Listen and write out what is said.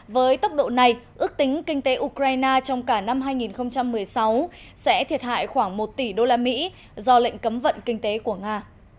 với tốc độ này ước tính kinh tế ukraine trong cả năm hai nghìn một mươi sáu sẽ thiệt hại khoảng một tỷ usd do lệnh cấm vận kinh tế của nga